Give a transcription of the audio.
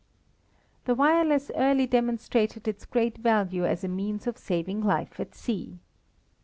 The wireless early demonstrated its great value as a means of saving life at sea.